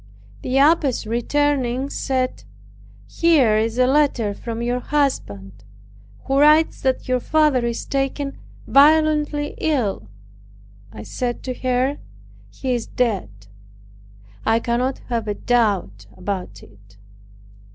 The abbess returning, said, "Here is a letter from your husband, who writes that your father is taken violently ill." I said to her, "He is dead, I cannot have a doubt about it."